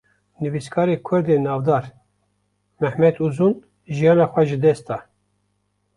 Nivîskarê Kurd ê navdar 'Mehmed Uzun, jîyana xwe ji dest da